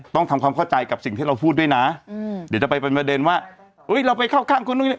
ต้องทำความเข้าใจกับสิ่งที่เราพูดด้วยนะเดี๋ยวจะไปเป็นประเด็นว่าเราไปเข้าข้างคนนู้น